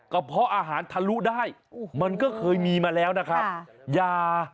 เพาะอาหารทะลุได้มันก็เคยมีมาแล้วนะครับยา